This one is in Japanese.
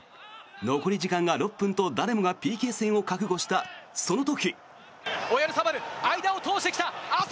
残り時間６分と誰もがＰＫ戦を覚悟したその時。